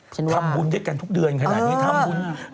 ทำบุญด้วยกันทุกเดือนขนาดนี้ทำบุญ